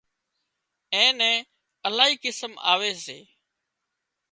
اين نين الاهي قسم آوي سي